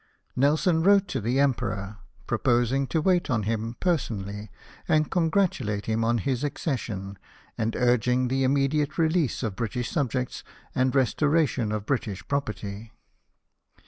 Nelson wrote to the Emperor, proposing to wait on him person ally and congratulate him on his accession, and urging the immediate release of British subjects and restora tion of British property.